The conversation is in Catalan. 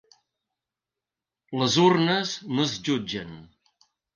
Les urnes no es jutgen.